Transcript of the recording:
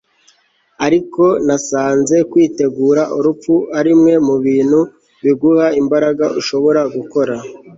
ariko nasanze kwitegura urupfu arimwe mubintu biguha imbaraga ushobora gukora